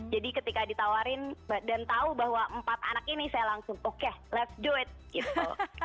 jadi ketika ditawarin dan tahu bahwa empat anak ini saya langsung oke let's do it gitu